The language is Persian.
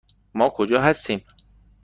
ما کجا هستیم؟